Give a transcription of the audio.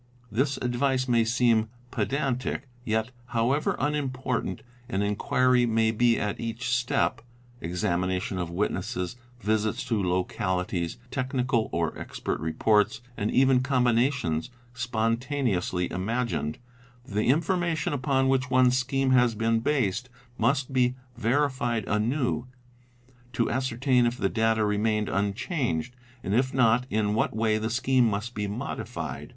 This advice may seem pedantic: yet, however unimportant an inquiry may be at each step (examination of witnesses, visits to localities, tech PROCEDURE 7 | nical or expert reports, and even combinations spontaneously imagined), | the information upon which one's scheme has been based, must be | verified anew, to ascertain if the data remain unchanged and, if not, in what way the scheme must be modified.